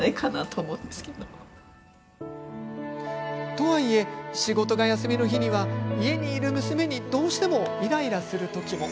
とはいえ、仕事が休みの日には家にいる娘にどうしてもイライラする時も。